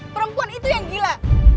perempuan itu yang gila